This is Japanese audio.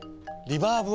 リバーブ？